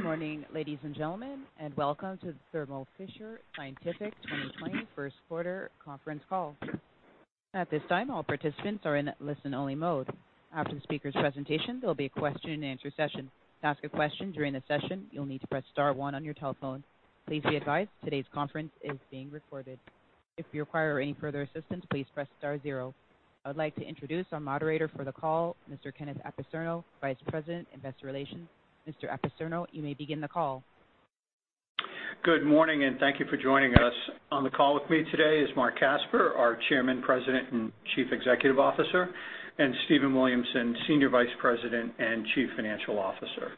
Good morning, ladies and gentlemen, and welcome to the Thermo Fisher Scientific 2020 first quarter conference call. At this time, all participants are in listen only mode. After the speaker's presentation, there'll be a question and answer session. To ask a question during the session, you'll need to press star one on your telephone. Please be advised, today's conference is being recorded. If you require any further assistance, please press star zero. I would like to introduce our moderator for the call, Mr. Kenneth Apicerno, Vice President, Investor Relations. Mr. Apicerno, you may begin the call. Good morning, and thank you for joining us. On the call with me today is Marc Casper, our Chairman, President, and Chief Executive Officer, and Stephen Williamson, Senior Vice President and Chief Financial Officer.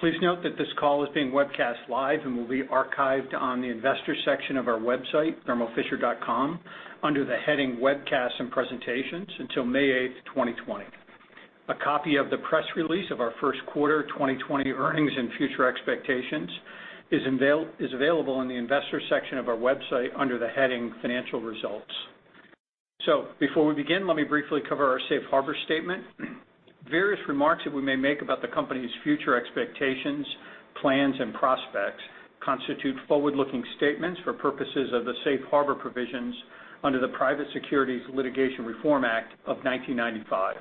Please note that this call is being webcast live and will be archived on the Investor section of our website, thermofisher.com, under the heading Webcasts and Presentations until May eighth, 2020. A copy of the press release of our first quarter 2020 earnings and future expectations is available on the investor section of our website under the heading Financial Results. Before we begin, let me briefly cover our safe harbor statement. Various remarks that we may make about the company's future expectations, plans, and prospects constitute forward-looking statements for purposes of the safe harbor provisions under the Private Securities Litigation Reform Act of 1995.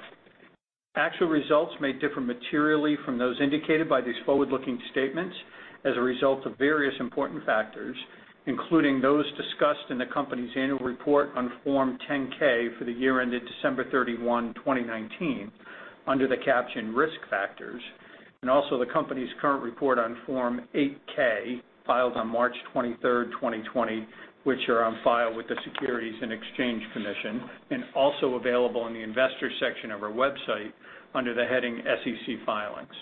Actual results may differ materially from those indicated by these forward-looking statements as a result of various important factors, including those discussed in the company's annual report on Form 10-K for the year ended December 31, 2019, under the caption Risk Factors, and also the company's current report on Form 8-K, filed on March 23, 2020, which are on file with the Securities and Exchange Commission, and also available in the investor section of our website under the heading SEC Filings.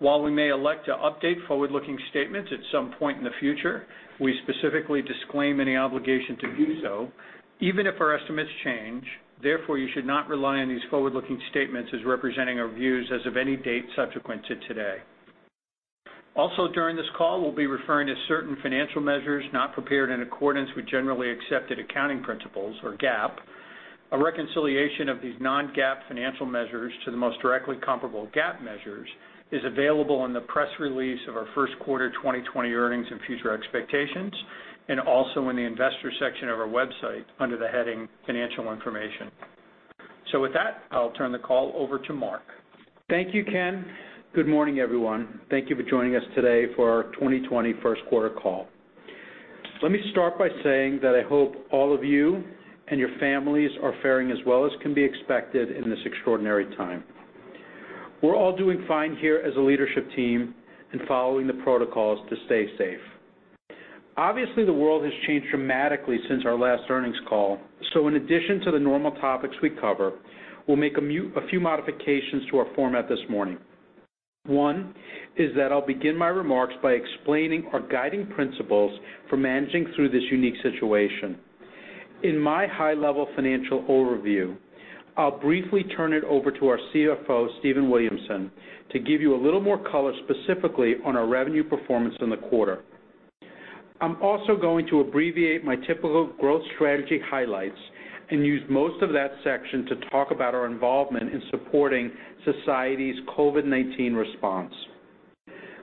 While we may elect to update forward-looking statements at some point in the future, we specifically disclaim any obligation to do so, even if our estimates change. Therefore, you should not rely on these forward-looking statements as representing our views as of any date subsequent to today. Also during this call, we'll be referring to certain financial measures not prepared in accordance with generally accepted accounting principles or GAAP. A reconciliation of these non-GAAP financial measures to the most directly comparable GAAP measures is available in the press release of our first quarter 2020 earnings and future expectations, and also in the Investor section of our website under the heading Financial Information. With that, I'll turn the call over to Marc. Thank you, Ken. Good morning, everyone. Thank you for joining us today for our 2020 first quarter call. Let me start by saying that I hope all of you and your families are faring as well as can be expected in this extraordinary time. We're all doing fine here as a leadership team and following the protocols to stay safe. Obviously, the world has changed dramatically since our last earnings call, so in addition to the normal topics we cover, we'll make a few modifications to our format this morning. One is that I'll begin my remarks by explaining our guiding principles for managing through this unique situation. In my high-level financial overview, I'll briefly turn it over to our CFO, Stephen Williamson, to give you a little more color specifically on our revenue performance in the quarter. I'm also going to abbreviate my typical growth strategy highlights and use most of that section to talk about our involvement in supporting society's COVID-19 response.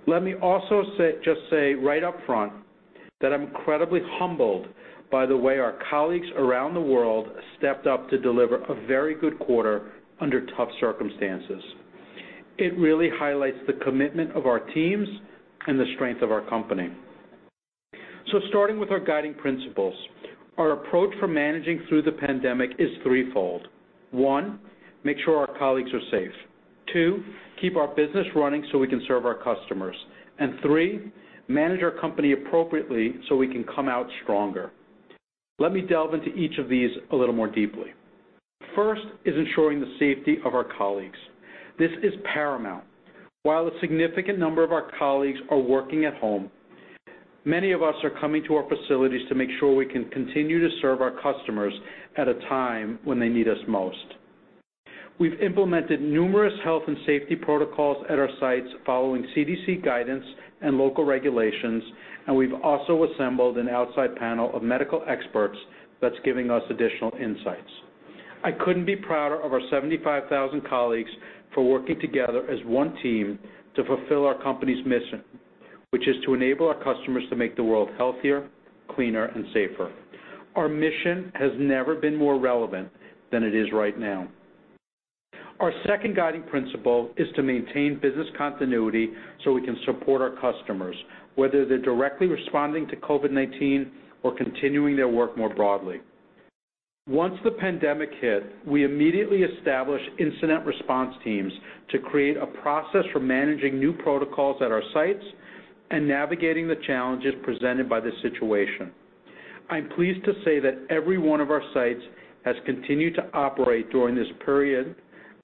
Let me also just say right up front that I'm incredibly humbled by the way our colleagues around the world stepped up to deliver a very good quarter under tough circumstances. It really highlights the commitment of our teams and the strength of our company. Starting with our guiding principles, our approach for managing through the pandemic is threefold. One, make sure our colleagues are safe. Two, keep our business running so we can serve our customers. Three, manage our company appropriately so we can come out stronger. Let me delve into each of these a little more deeply. First is ensuring the safety of our colleagues. This is paramount. While a significant number of our colleagues are working at home, many of us are coming to our facilities to make sure we can continue to serve our customers at a time when they need us most. We've implemented numerous health and safety protocols at our sites following CDC guidance and local regulations, and we've also assembled an outside panel of medical experts that's giving us additional insights. I couldn't be prouder of our 75,000 colleagues for working together as one team to fulfill our company's mission, which is to enable our customers to make the world healthier, cleaner, and safer. Our mission has never been more relevant than it is right now. Our second guiding principle is to maintain business continuity so we can support our customers, whether they're directly responding to COVID-19 or continuing their work more broadly. Once the pandemic hit, we immediately established incident response teams to create a process for managing new protocols at our sites and navigating the challenges presented by this situation. I'm pleased to say that every one of our sites has continued to operate during this period,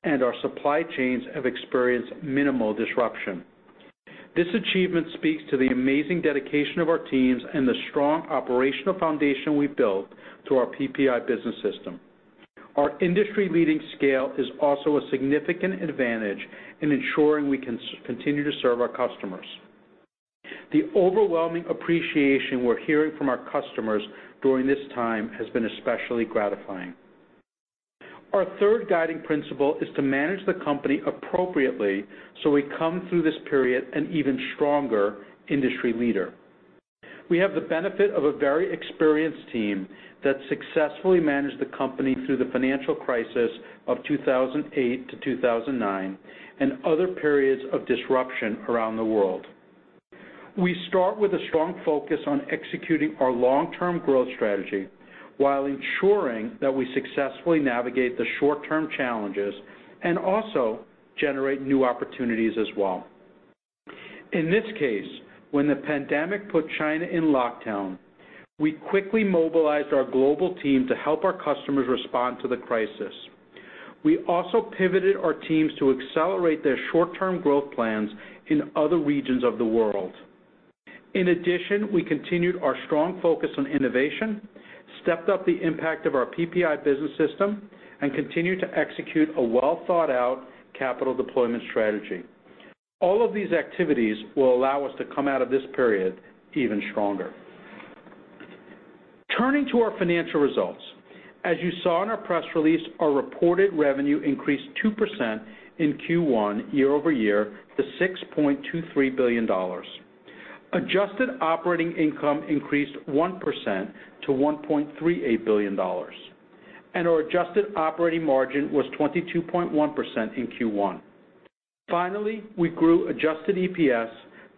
and our supply chains have experienced minimal disruption. This achievement speaks to the amazing dedication of our teams and the strong operational foundation we've built through our PPI business system. Our industry-leading scale is also a significant advantage in ensuring we can continue to serve our customers. The overwhelming appreciation we're hearing from our customers during this time has been especially gratifying. Our third guiding principle is to manage the company appropriately so we come through this period an even stronger industry leader. We have the benefit of a very experienced team that successfully managed the company through the financial crisis of 2008-2009, and other periods of disruption around the world. We start with a strong focus on executing our long-term growth strategy while ensuring that we successfully navigate the short-term challenges, and also generate new opportunities as well. In this case, when the pandemic put China in lockdown, we quickly mobilized our global team to help our customers respond to the crisis. We also pivoted our teams to accelerate their short-term growth plans in other regions of the world. In addition, we continued our strong focus on innovation, stepped up the impact of our PPI business system, and continued to execute a well-thought-out capital deployment strategy. All of these activities will allow us to come out of this period even stronger. Turning to our financial results. As you saw in our press release, our reported revenue increased 2% in Q1 year-over-year to $6.23 billion. Adjusted operating income increased 1% to $1.38 billion, and our adjusted operating margin was 22.1% in Q1. Finally, we grew adjusted EPS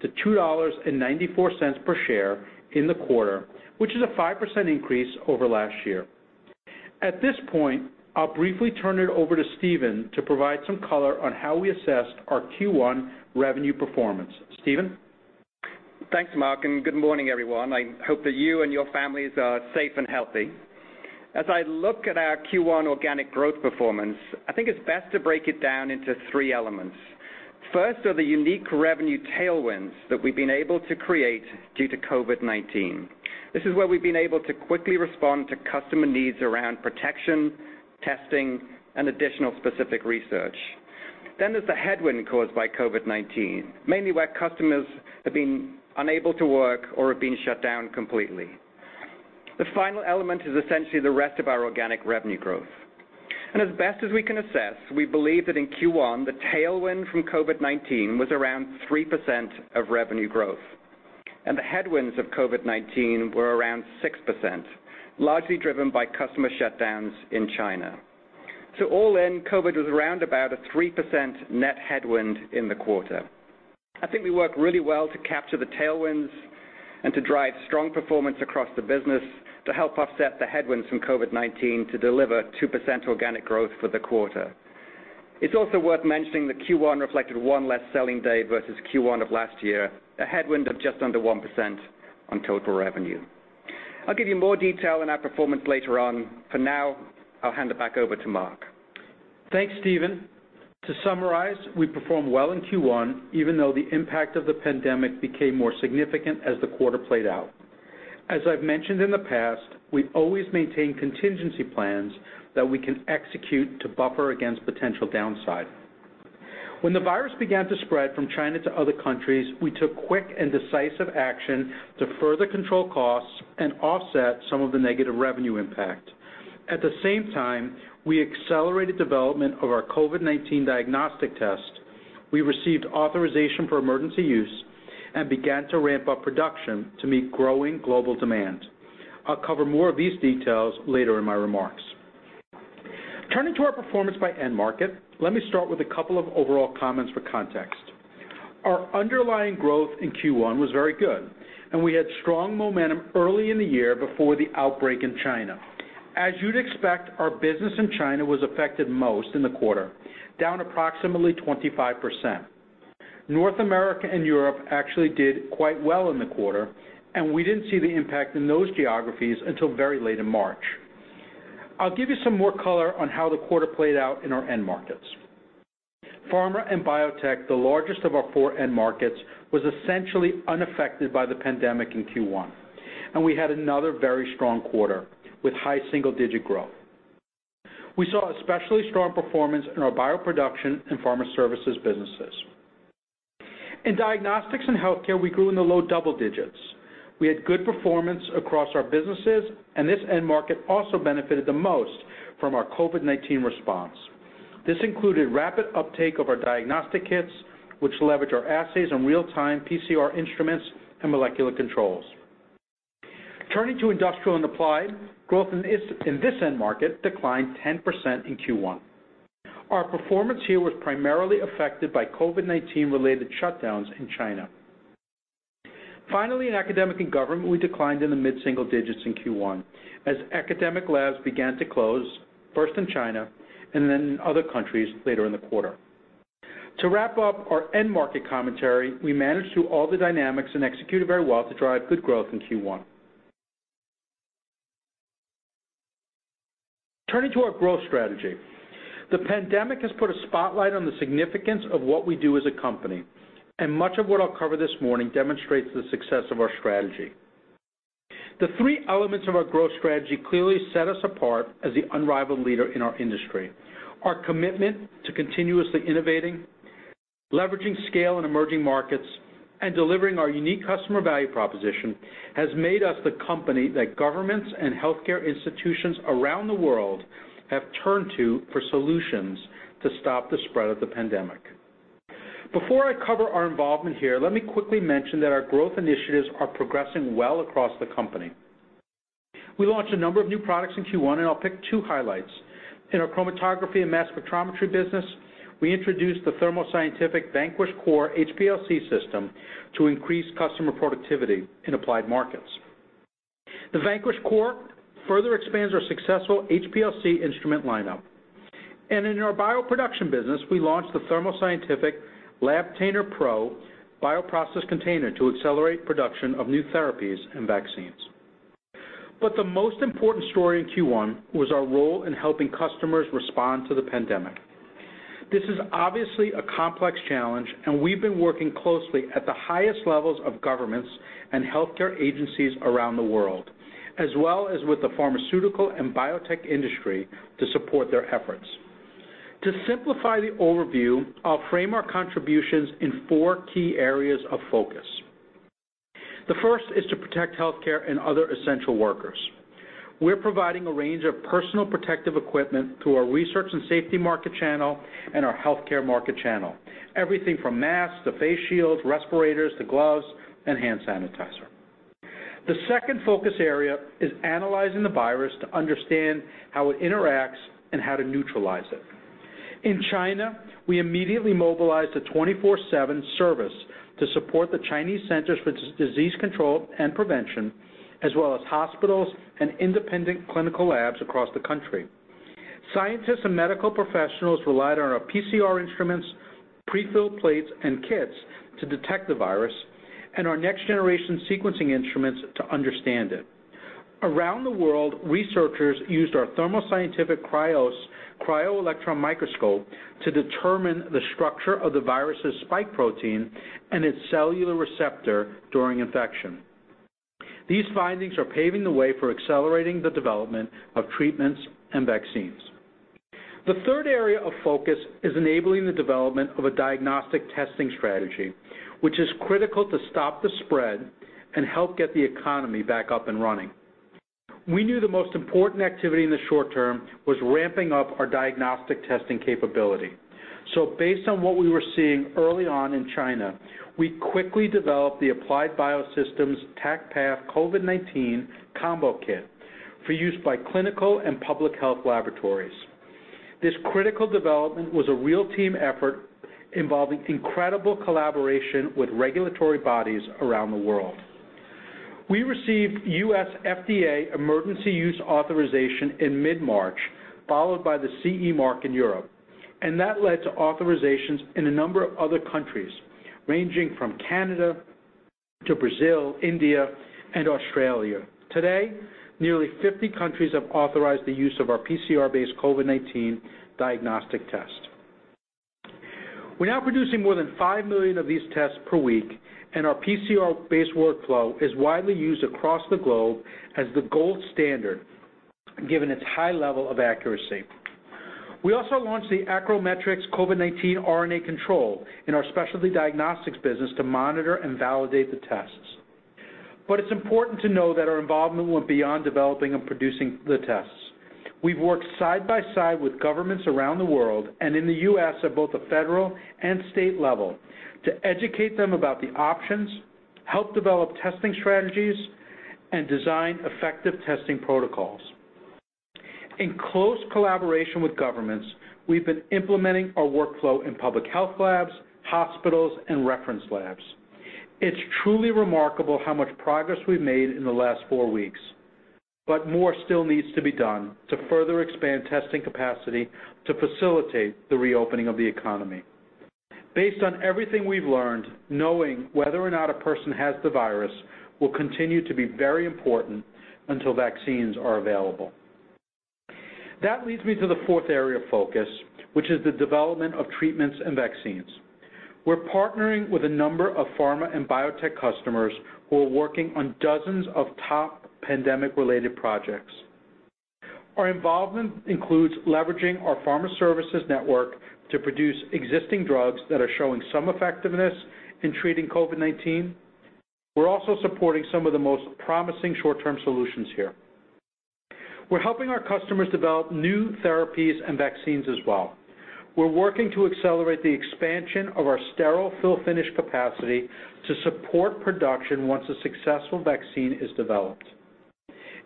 to $2.94 per share in the quarter, which is a 5% increase over last year. At this point, I'll briefly turn it over to Stephen to provide some color on how we assessed our Q1 revenue performance. Stephen? Thanks, Marc. Good morning, everyone. I hope that you and your families are safe and healthy. As I look at our Q1 organic growth performance, I think it's best to break it down into three elements. First are the unique revenue tailwinds that we've been able to create due to COVID-19. This is where we've been able to quickly respond to customer needs around protection, testing, and additional specific research. There's the headwind caused by COVID-19, mainly where customers have been unable to work or have been shut down completely. The final element is essentially the rest of our organic revenue growth. As best as we can assess, we believe that in Q1, the tailwind from COVID-19 was around 3% of revenue growth. The headwinds of COVID-19 were around 6%, largely driven by customer shutdowns in China. All in, COVID-19 was around about a 3% net headwind in the quarter. I think we worked really well to capture the tailwinds and to drive strong performance across the business to help offset the headwinds from COVID-19 to deliver 2% organic growth for the quarter. It's also worth mentioning that Q1 reflected one less selling day versus Q1 of last year, a headwind of just under 1% on total revenue. I'll give you more detail on our performance later on. For now, I'll hand it back over to Marc. Thanks, Stephen. To summarize, we performed well in Q1 even though the impact of the pandemic became more significant as the quarter played out. As I've mentioned in the past, we've always maintained contingency plans that we can execute to buffer against potential downside. When the virus began to spread from China to other countries, we took quick and decisive action to further control costs and offset some of the negative revenue impact. At the same time, we accelerated development of our COVID-19 diagnostic test. We received authorization for Emergency Use and began to ramp up production to meet growing global demand. I'll cover more of these details later in my remarks. Turning to our performance by end market, let me start with a couple of overall comments for context. Our underlying growth in Q1 was very good, and we had strong momentum early in the year before the outbreak in China. As you'd expect, our business in China was affected most in the quarter, down approximately 25%. North America and Europe actually did quite well in the quarter, and we didn't see the impact in those geographies until very late in March. I'll give you some more color on how the quarter played out in our end markets. pharma and biotech, the largest of our four end markets, was essentially unaffected by the pandemic in Q1, and we had another very strong quarter with high single-digit growth. We saw especially strong performance in our bioproduction and pharma services businesses. In diagnostics and healthcare, we grew in the low double digits. We had good performance across our businesses, and this end market also benefited the most from our COVID-19 response. This included rapid uptake of our diagnostic kits, which leverage our assays and real-time PCR instruments and molecular controls. Turning to industrial and applied, growth in this end market declined 10% in Q1. Our performance here was primarily affected by COVID-19 related shutdowns in China. Finally, in academic and government, we declined in the mid-single digits in Q1 as academic labs began to close, first in China, and then in other countries later in the quarter. To wrap up our end market commentary, we managed through all the dynamics and executed very well to drive good growth in Q1. Turning to our growth strategy. The pandemic has put a spotlight on the significance of what we do as a company, and much of what I'll cover this morning demonstrates the success of our strategy. The three elements of our growth strategy clearly set us apart as the unrivaled leader in our industry. Our commitment to continuously innovating, leveraging scale in emerging markets, and delivering our unique customer value proposition has made us the company that governments and healthcare institutions around the world have turned to for solutions to stop the spread of the pandemic. Before I cover our involvement here, let me quickly mention that our growth initiatives are progressing well across the company. We launched a number of new products in Q1, and I'll pick two highlights. In our chromatography and mass spectrometry business, we introduced the Thermo Scientific Vanquish Core HPLC system to increase customer productivity in applied markets. The Vanquish Core further expands our successful HPLC instrument lineup. In our bioproduction business, we launched the Thermo Scientific Labtainer Pro bioprocess container to accelerate production of new therapies and vaccines. The most important story in Q1 was our role in helping customers respond to the pandemic. This is obviously a complex challenge, and we've been working closely at the highest levels of governments and healthcare agencies around the world, as well as with the pharmaceutical and biotech industry to support their efforts. To simplify the overview, I'll frame our contributions in four key areas of focus. The first is to protect healthcare and other essential workers. We're providing a range of personal protective equipment through our research and safety market channel and our healthcare market channel. Everything from masks to face shields, respirators to gloves, and hand sanitizer. The second focus area is analyzing the virus to understand how it interacts and how to neutralize it. In China, we immediately mobilized a 24/7 service to support the Chinese Center for Disease Control and Prevention, as well as hospitals and independent clinical labs across the country. Scientists and medical professionals relied on our PCR instruments, prefilled plates, and kits to detect the virus and our next-generation sequencing instruments to understand it. Around the world, researchers used our Thermo Scientific Krios cryo-electron microscope to determine the structure of the virus's spike protein and its cellular receptor during infection. These findings are paving the way for accelerating the development of treatments and vaccines. The third area of focus is enabling the development of a diagnostic testing strategy, which is critical to stop the spread and help get the economy back up and running. We knew the most important activity in the short term was ramping up our diagnostic testing capability. Based on what we were seeing early on in China, we quickly developed the Applied Biosystems TaqPath COVID-19 Combo Kit for use by clinical and public health laboratories. This critical development was a real team effort involving incredible collaboration with regulatory bodies around the world. We received U.S. FDA Emergency Use Authorization in mid-March, followed by the CE mark in Europe, and that led to authorizations in a number of other countries, ranging from Canada to Brazil, India, and Australia. Today, nearly 50 countries have authorized the use of our PCR-based COVID-19 diagnostic test. We're now producing more than 5 million of these tests per week, and our PCR-based workflow is widely used across the globe as the gold standard given its high level of accuracy. We also launched the AcroMetrix COVID-19 RNA Control in our Specialty Diagnostics business to monitor and validate the tests. It's important to know that our involvement went beyond developing and producing the tests. We've worked side by side with governments around the world and in the U.S. at both the federal and state level to educate them about the options, help develop testing strategies, and design effective testing protocols. In close collaboration with governments, we've been implementing our workflow in public health labs, hospitals, and reference labs. It's truly remarkable how much progress we've made in the last four weeks. More still needs to be done to further expand testing capacity to facilitate the reopening of the economy. Based on everything we've learned, knowing whether or not a person has the virus will continue to be very important until vaccines are available. That leads me to the fourth area of focus, which is the development of treatments and vaccines. We're partnering with a number of pharma and biotech customers who are working on dozens of top pandemic-related projects. Our involvement includes leveraging our pharma services network to produce existing drugs that are showing some effectiveness in treating COVID-19. We're also supporting some of the most promising short-term solutions here. We're helping our customers develop new therapies and vaccines as well. We're working to accelerate the expansion of our sterile fill-finish capacity to support production once a successful vaccine is developed.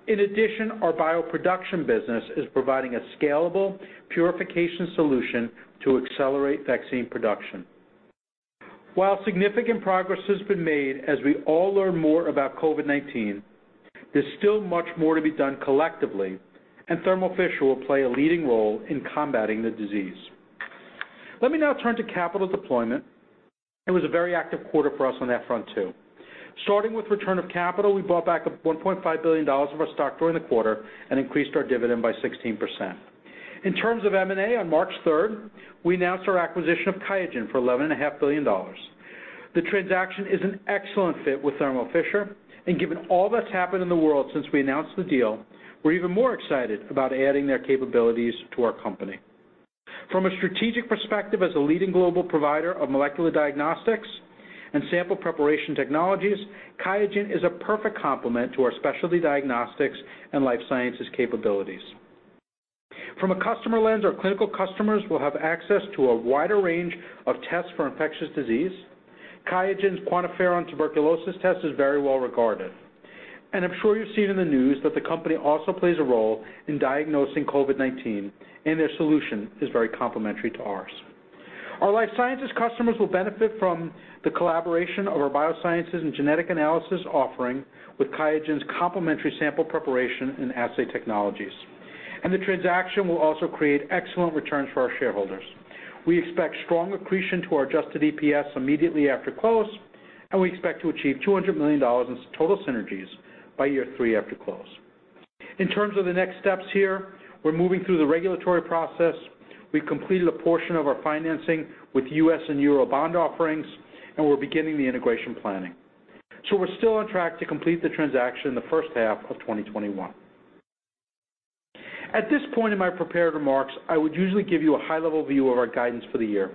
In addition, our bioproduction business is providing a scalable purification solution to accelerate vaccine production. While significant progress has been made as we all learn more about COVID-19, there's still much more to be done collectively, and Thermo Fisher will play a leading role in combating the disease. Let me now turn to capital deployment. It was a very active quarter for us on that front, too. Starting with return of capital, we bought back $1.5 billion of our stock during the quarter and increased our dividend by 16%. In terms of M&A, on March 3rd, we announced our acquisition of QIAGEN for $11.5 billion. The transaction is an excellent fit with Thermo Fisher, and given all that's happened in the world since we announced the deal, we're even more excited about adding their capabilities to our company. From a strategic perspective, as a leading global provider of molecular diagnostics and sample preparation technologies, QIAGEN is a perfect complement to our Specialty Diagnostics and Life Sciences capabilities. From a customer lens, our clinical customers will have access to a wider range of tests for infectious disease. QIAGEN's QuantiFERON tuberculosis test is very well regarded. I'm sure you've seen in the news that the company also plays a role in diagnosing COVID-19, and their solution is very complementary to ours. Our life sciences customers will benefit from the collaboration of our biosciences and genetic analysis offering with QIAGEN's complementary sample preparation and assay technologies. The transaction will also create excellent returns for our shareholders. We expect strong accretion to our adjusted EPS immediately after close, and we expect to achieve $200 million in total synergies by year three after close. In terms of the next steps here, we're moving through the regulatory process. We've completed a portion of our financing with U.S. and Eurobond offerings, and we're beginning the integration planning. We're still on track to complete the transaction in the first half of 2021. At this point in my prepared remarks, I would usually give you a high-level view of our guidance for the year.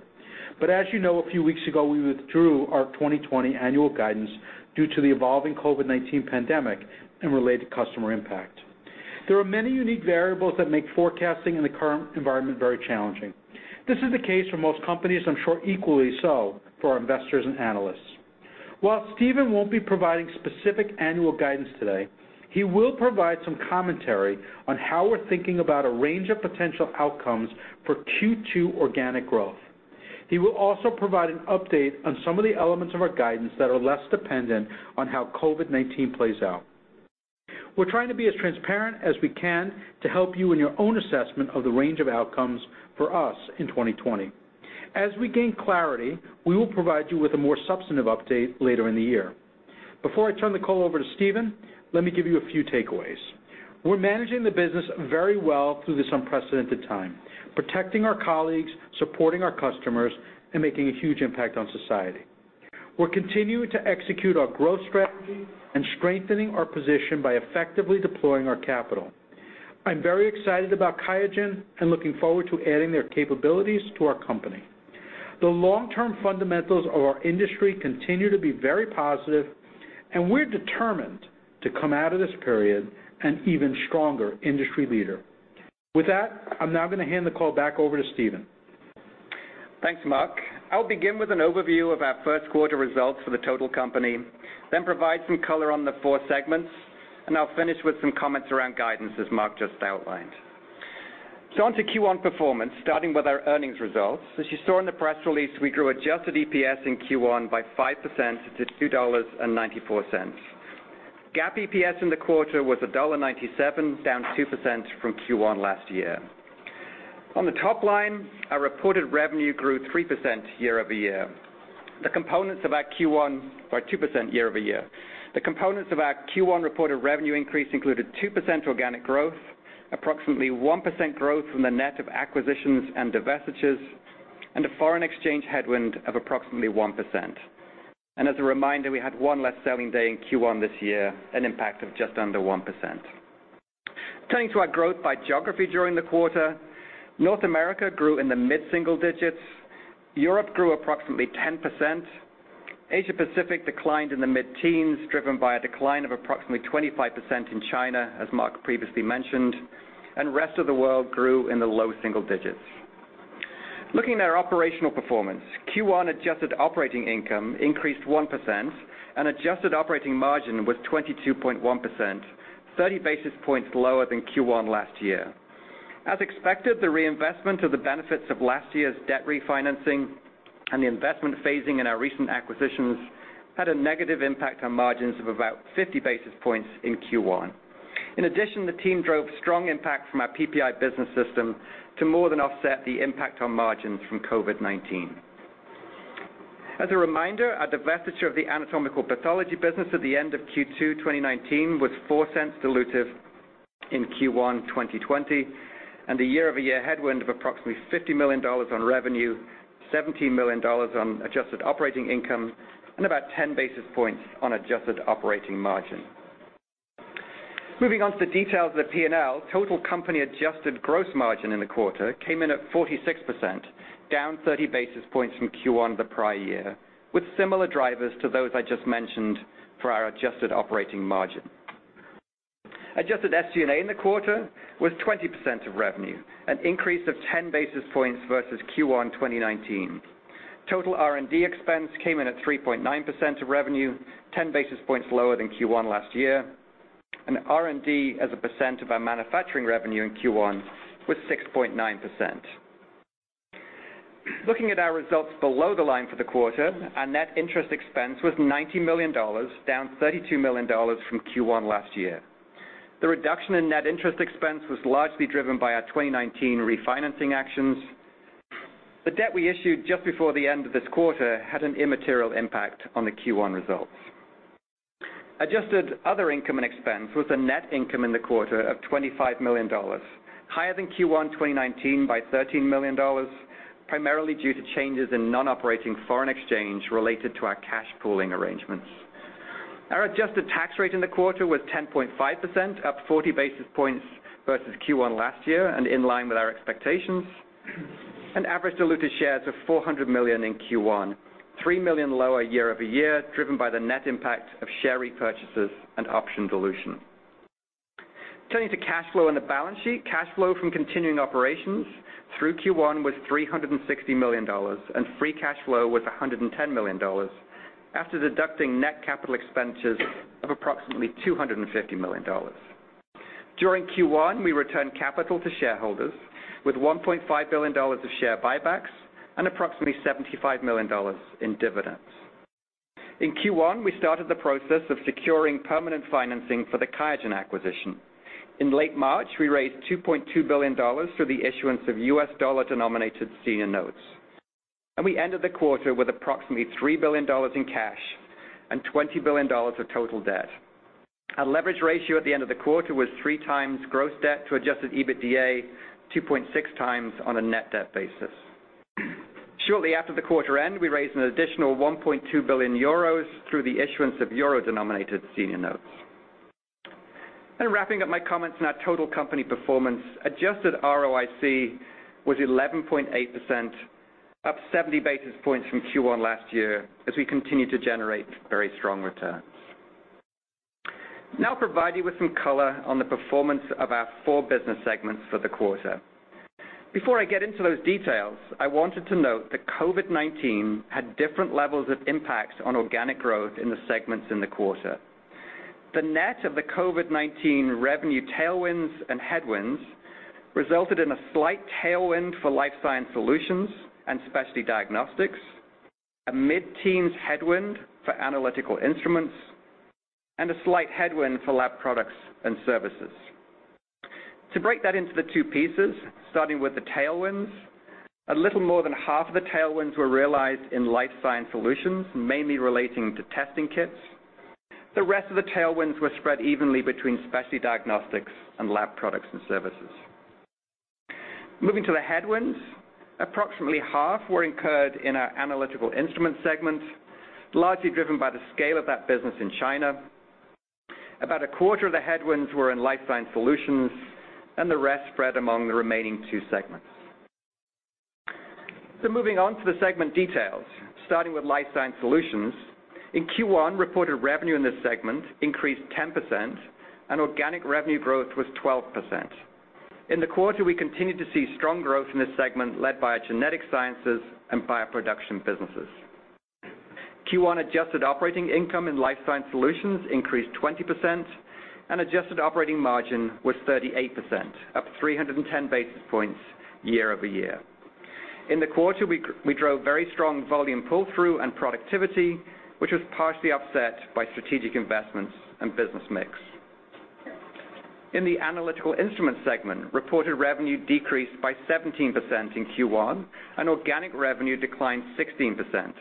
As you know, a few weeks ago, we withdrew our 2020 annual guidance due to the evolving COVID-19 pandemic and related customer impact. There are many unique variables that make forecasting in the current environment very challenging. This is the case for most companies, I'm sure equally so for our investors and analysts. While Stephen won't be providing specific annual guidance today, he will provide some commentary on how we're thinking about a range of potential outcomes for Q2 organic growth. He will also provide an update on some of the elements of our guidance that are less dependent on how COVID-19 plays out. We're trying to be as transparent as we can to help you in your own assessment of the range of outcomes for us in 2020. As we gain clarity, we will provide you with a more substantive update later in the year. Before I turn the call over to Stephen, let me give you a few takeaways. We're managing the business very well through this unprecedented time, protecting our colleagues, supporting our customers, and making a huge impact on society. We're continuing to execute our growth strategy and strengthening our position by effectively deploying our capital. I'm very excited about QIAGEN and looking forward to adding their capabilities to our company. The long-term fundamentals of our industry continue to be very positive, and we're determined to come out of this period an even stronger industry leader. With that, I'm now going to hand the call back over to Stephen. Thanks, Marc. I'll begin with an overview of our first quarter results for the total company, then provide some color on the four segments. I'll finish with some comments around guidance, as Marc just outlined. On to Q1 performance, starting with our earnings results. As you saw in the press release, we grew adjusted EPS in Q1 by 5% to $2.94. GAAP EPS in the quarter was $1.97, down 2% from Q1 last year. On the top line, our reported revenue grew 3% year-over-year, or 2% year-over-year. The components of our Q1 reported revenue increase included 2% organic growth, approximately 1% growth from the net of acquisitions and divestitures, and a foreign exchange headwind of approximately 1%. As a reminder, we had one less selling day in Q1 this year, an impact of just under 1%. Turning to our growth by geography during the quarter, North America grew in the mid-single digits, Europe grew approximately 10%, Asia Pacific declined in the mid-teens, driven by a decline of approximately 25% in China, as Marc previously mentioned, and rest of the world grew in the low single digits. Looking at our operational performance, Q1 adjusted operating income increased 1% and adjusted operating margin was 22.1%, 30 basis points lower than Q1 last year. As expected, the reinvestment of the benefits of last year's debt refinancing and the investment phasing in our recent acquisitions had a negative impact on margins of about 50 basis points in Q1. In addition, the team drove strong impact from our PPI business system to more than offset the impact on margins from COVID-19. As a reminder, our divestiture of the anatomical pathology business at the end of Q2 2019 was $0.04 dilutive in Q1 2020, and a year-over-year headwind of approximately $50 million on revenue, $17 million on adjusted operating income, and about 10 basis points on adjusted operating margin. Moving on to the details of the P&L, total company adjusted gross margin in the quarter came in at 46%, down 30 basis points from Q1 the prior year, with similar drivers to those I just mentioned for our adjusted operating margin. Adjusted SG&A in the quarter was 20% of revenue, an increase of 10 basis points versus Q1 2019. Total R&D expense came in at 3.9% of revenue, 10 basis points lower than Q1 last year, and R&D as a percent of our manufacturing revenue in Q1 was 6.9%. Looking at our results below the line for the quarter, our net interest expense was $90 million, down $32 million from Q1 last year. The reduction in net interest expense was largely driven by our 2019 refinancing actions. The debt we issued just before the end of this quarter had an immaterial impact on the Q1 results. Adjusted other income and expense was a net income in the quarter of $25 million, higher than Q1 2019 by $13 million, primarily due to changes in non-operating foreign exchange related to our cash pooling arrangements. Our adjusted tax rate in the quarter was 10.5%, up 40 basis points versus Q1 last year, and in line with our expectations. Average diluted shares of 400 million in Q1, 3 million lower year-over-year, driven by the net impact of share repurchases and option dilution. Turning to cash flow and the balance sheet, cash flow from continuing operations through Q1 was $360 million, and free cash flow was $110 million, after deducting net capital expenditures of approximately $250 million. During Q1, we returned capital to shareholders with $1.5 billion of share buybacks and approximately $75 million in dividends. In Q1, we started the process of securing permanent financing for the QIAGEN acquisition. In late March, we raised $2.2 billion through the issuance of U.S. dollar-denominated senior notes. We ended the quarter with approximately $3 billion in cash and $20 billion of total debt. Our leverage ratio at the end of the quarter was 3x gross debt to adjusted EBITDA, 2.6x on a net debt basis. Shortly after the quarter end, we raised an additional 1.2 billion euros through the issuance of euro-denominated senior notes. Wrapping up my comments on our total company performance, adjusted ROIC was 11.8%, up 70 basis points from Q1 last year, as we continue to generate very strong returns. Now I'll provide you with some color on the performance of our four business segments for the quarter. Before I get into those details, I wanted to note that COVID-19 had different levels of impact on organic growth in the segments in the quarter. The net of the COVID-19 revenue tailwinds and headwinds resulted in a slight tailwind for Life Sciences Solutions and Specialty Diagnostics, a mid-teens headwind for Analytical Instruments, and a slight headwind for Laboratory Products and Services. To break that into the two pieces, starting with the tailwinds, a little more than half of the tailwinds were realized in Life Sciences Solutions, mainly relating to testing kits. The rest of the tailwinds were spread evenly between Specialty Diagnostics and Lab Products and Services. Moving to the headwinds, approximately half were incurred in our Analytical Instruments segment, largely driven by the scale of that business in China. About a quarter of the headwinds were in Life Sciences Solutions, and the rest spread among the remaining two segments. Moving on to the segment details, starting with Life Sciences Solutions. In Q1, reported revenue in this segment increased 10%, and organic revenue growth was 12%. In the quarter, we continued to see strong growth in this segment led by our genetic sciences and bioproduction businesses. Q1 adjusted operating income in Life Sciences Solutions increased 20%, and adjusted operating margin was 38%, up 310 basis points year-over-year. In the quarter, we drove very strong volume pull-through and productivity, which was partially offset by strategic investments and business mix. In the Analytical Instruments segment, reported revenue decreased by 17% in Q1, and organic revenue declined 16%.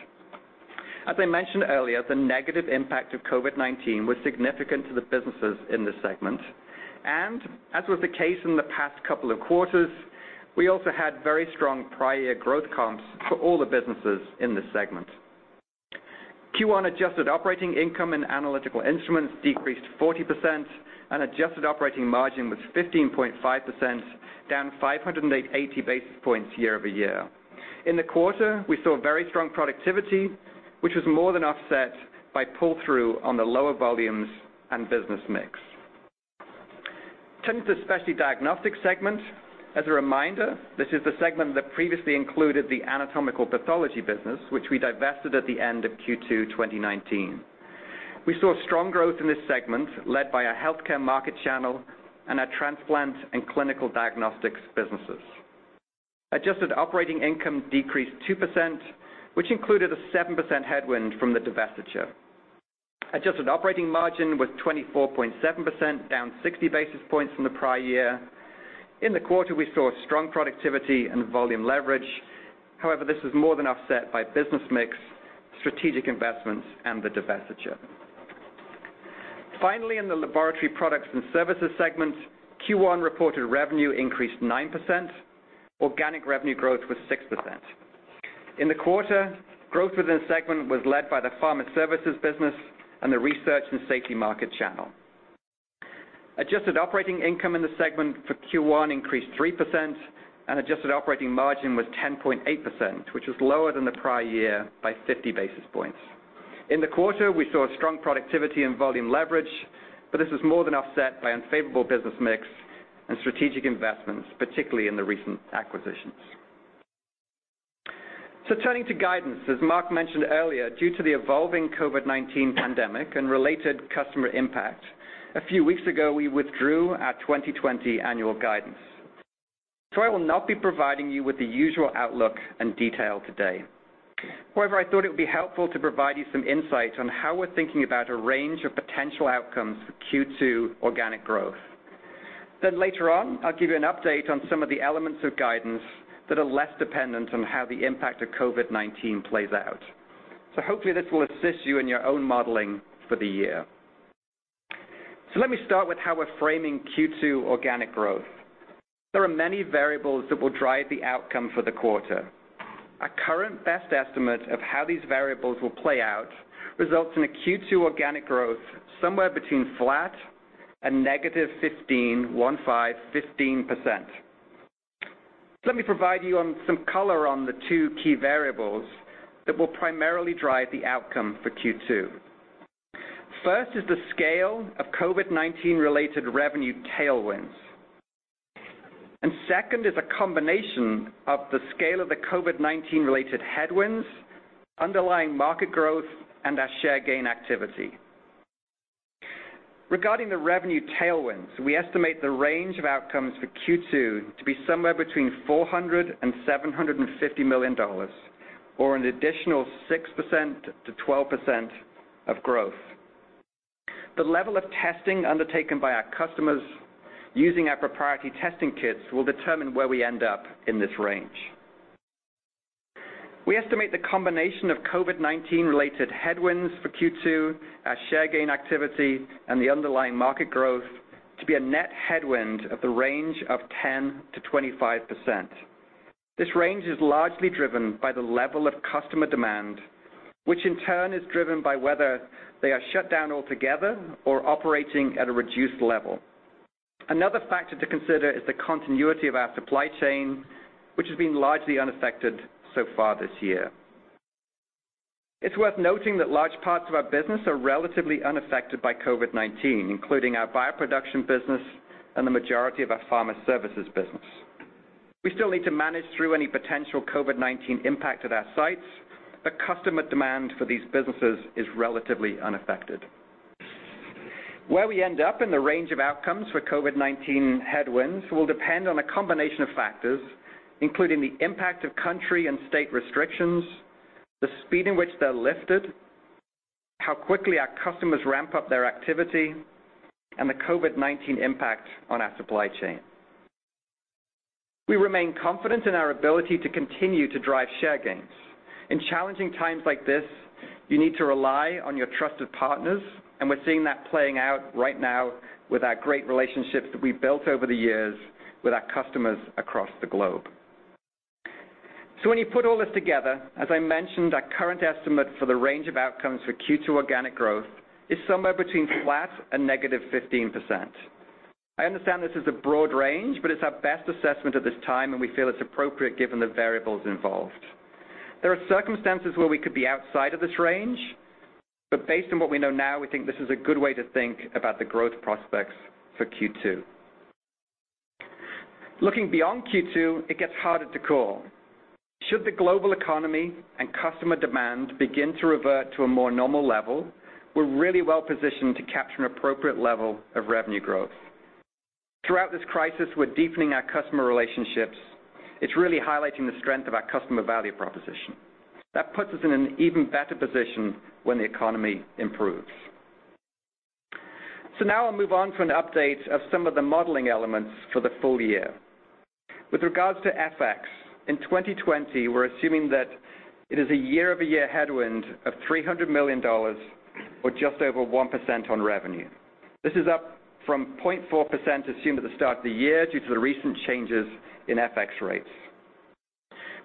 As I mentioned earlier, the negative impact of COVID-19 was significant to the businesses in this segment. As was the case in the past couple of quarters, we also had very strong prior year growth comps for all the businesses in this segment. Q1 adjusted operating income in Analytical Instruments decreased 40%, and adjusted operating margin was 15.5%, down 580 basis points year-over-year. In the quarter, we saw very strong productivity, which was more than offset by pull-through on the lower volumes and business mix. Turning to the Specialty Diagnostics segment, as a reminder, this is the segment that previously included the anatomical pathology business, which we divested at the end of Q2 2019. We saw strong growth in this segment, led by our healthcare market channel and our transplant and clinical diagnostics businesses. Adjusted operating income decreased 2%, which included a 7% headwind from the divestiture. Adjusted operating margin was 24.7%, down 60 basis points from the prior year. In the quarter, we saw strong productivity and volume leverage. However, this was more than offset by business mix, strategic investments, and the divestiture. Finally, in the Laboratory Products and Services segment, Q1 reported revenue increased 9%. Organic revenue growth was 6%. In the quarter, growth within the segment was led by the pharma services business and the research and safety market channel. Adjusted operating income in the segment for Q1 increased 3%, and adjusted operating margin was 10.8%, which was lower than the prior year by 50 basis points. In the quarter, we saw strong productivity and volume leverage, but this was more than offset by unfavorable business mix and strategic investments, particularly in the recent acquisitions. Turning to guidance. As Marc mentioned earlier, due to the evolving COVID-19 pandemic and related customer impact, a few weeks ago, we withdrew our 2020 annual guidance. I will not be providing you with the usual outlook and detail today. However, I thought it would be helpful to provide you some insight on how we're thinking about a range of potential outcomes for Q2 organic growth. Later on, I'll give you an update on some of the elements of guidance that are less dependent on how the impact of COVID-19 plays out. Hopefully, this will assist you in your own modeling for the year. Let me start with how we're framing Q2 organic growth. There are many variables that will drive the outcome for the quarter. Our current best estimate of how these variables will play out results in a Q2 organic growth somewhere between flat and -15%. Let me provide you on some color on the two key variables that will primarily drive the outcome for Q2. First is the scale of COVID-19 related revenue tailwinds, and second is a combination of the scale of the COVID-19 related headwinds, underlying market growth, and our share gain activity. Regarding the revenue tailwinds, we estimate the range of outcomes for Q2 to be somewhere between $400 million and $750 million, or an additional 6%-12% of growth. The level of testing undertaken by our customers using our proprietary testing kits will determine where we end up in this range. We estimate the combination of COVID-19 related headwinds for Q2, our share gain activity, and the underlying market growth to be a net headwind of the range of 10%-25%. This range is largely driven by the level of customer demand, which in turn is driven by whether they are shut down altogether or operating at a reduced level. Another factor to consider is the continuity of our supply chain, which has been largely unaffected so far this year. It's worth noting that large parts of our business are relatively unaffected by COVID-19, including our bioproduction business and the majority of our pharma services business. We still need to manage through any potential COVID-19 impact at our sites, but customer demand for these businesses is relatively unaffected. Where we end up in the range of outcomes for COVID-19 headwinds will depend on a combination of factors, including the impact of country and state restrictions, the speed in which they're lifted, how quickly our customers ramp up their activity, and the COVID-19 impact on our supply chain. We remain confident in our ability to continue to drive share gains. In challenging times like this, you need to rely on your trusted partners, and we're seeing that playing out right now with our great relationships that we've built over the years with our customers across the globe. When you put all this together, as I mentioned, our current estimate for the range of outcomes for Q2 organic growth is somewhere between flat and -15%. I understand this is a broad range, but it's our best assessment at this time, and we feel it's appropriate given the variables involved. There are circumstances where we could be outside of this range, but based on what we know now, we think this is a good way to think about the growth prospects for Q2. Looking beyond Q2, it gets harder to call. Should the global economy and customer demand begin to revert to a more normal level, we're really well-positioned to capture an appropriate level of revenue growth. Throughout this crisis, we're deepening our customer relationships. It's really highlighting the strength of our customer value proposition. That puts us in an even better position when the economy improves. Now I'll move on to an update of some of the modeling elements for the full-year. With regards to FX, in 2020, we're assuming that it is a year-over-year headwind of $300 million or just over 1% on revenue. This is up from 0.4% assumed at the start of the year due to the recent changes in FX rates.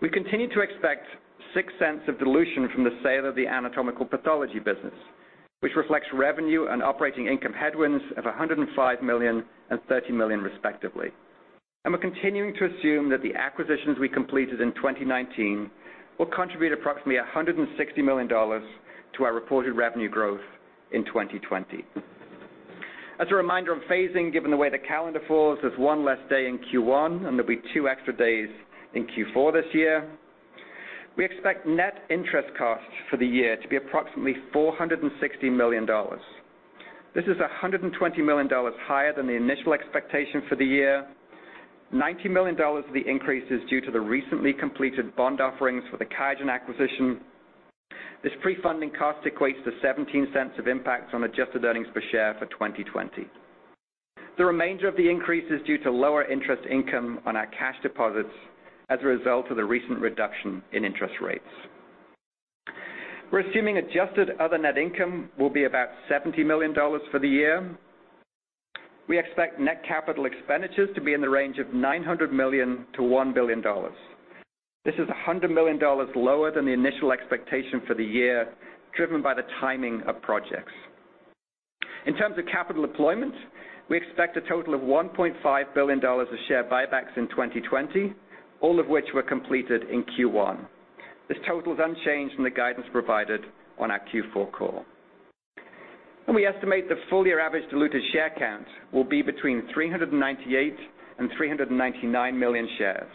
We continue to expect $0.06 of dilution from the sale of the anatomical pathology business, which reflects revenue and operating income headwinds of $105 million and $30 million respectively. We're continuing to assume that the acquisitions we completed in 2019 will contribute approximately $160 million to our reported revenue growth in 2020. As a reminder on phasing, given the way the calendar falls, there's one less day in Q1, and there'll be two extra days in Q4 this year. We expect net interest costs for the year to be approximately $460 million. This is $120 million higher than the initial expectation for the year. $90 million of the increase is due to the recently completed bond offerings for the QIAGEN acquisition. This prefunding cost equates to $0.17 of impact on adjusted earnings per share for 2020. The remainder of the increase is due to lower interest income on our cash deposits as a result of the recent reduction in interest rates. We're assuming adjusted other net income will be about $70 million for the year. We expect net capital expenditures to be in the range of $900 million-$1 billion. This is $100 million lower than the initial expectation for the year, driven by the timing of projects. In terms of capital employment, we expect a total of $1.5 billion of share buybacks in 2020, all of which were completed in Q1. This total is unchanged from the guidance provided on our Q4 call. We estimate the full-year average diluted share count will be between 398 million and 399 million shares.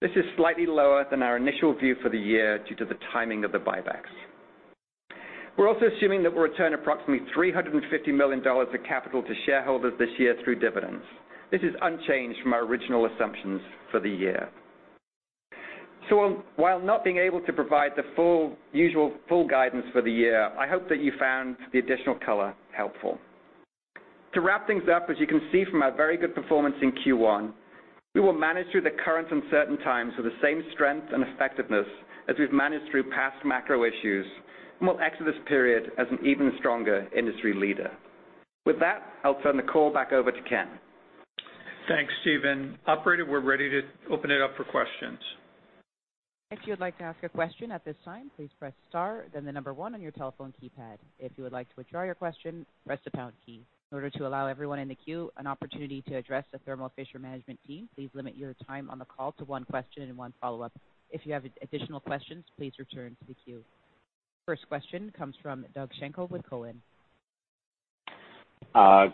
This is slightly lower than our initial view for the year due to the timing of the buybacks. We're also assuming that we'll return approximately $350 million of capital to shareholders this year through dividends. This is unchanged from our original assumptions for the year. While not being able to provide the usual full guidance for the year, I hope that you found the additional color helpful. To wrap things up, as you can see from our very good performance in Q1, we will manage through the current uncertain times with the same strength and effectiveness as we've managed through past macro issues, and we'll exit this period as an even stronger industry leader. With that, I'll turn the call back over to Ken. Thanks, Stephen. Operator, we're ready to open it up for questions. If you would like to ask a question at this time, please press star then the number one on your telephone keypad. If you would like to withdraw your question, press the pound key. In order to allow everyone in the queue an opportunity to address the Thermo Fisher management team, please limit your time on the call to one question and one follow-up. If you have additional questions, please return to the queue. First question comes from Doug Schenkel with Cowen.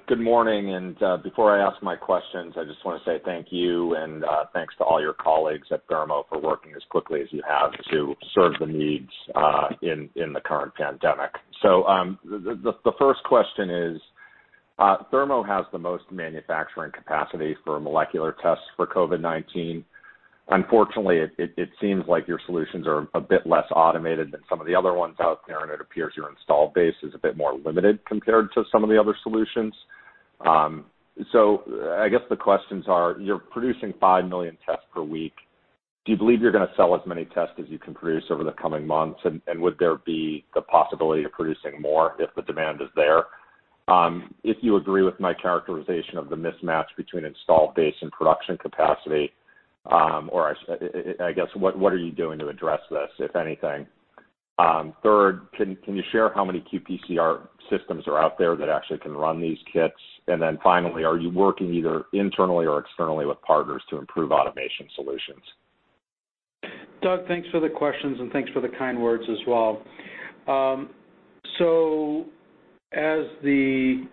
Good morning, before I ask my questions, I just want to say thank you, and thanks to all your colleagues at Thermo for working as quickly as you have to serve the needs in the current pandemic. The first question is, Thermo has the most manufacturing capacity for molecular tests for COVID-19. Unfortunately, it seems like your solutions are a bit less automated than some of the other ones out there, and it appears your install base is a bit more limited compared to some of the other solutions. I guess the questions are, you're producing 5 million tests per week. Do you believe you're going to sell as many tests as you can produce over the coming months? Would there be the possibility of producing more if the demand is there? If you agree with my characterization of the mismatch between install base and production capacity, I guess, what are you doing to address this, if anything? Third, can you share how many qPCR systems are out there that actually can run these kits? Finally, are you working either internally or externally with partners to improve automation solutions? Doug, thanks for the questions and thanks for the kind words as well. As the